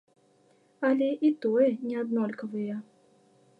Але і тое не аднолькавыя!